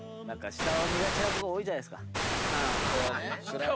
下を見がちな子が多いですか？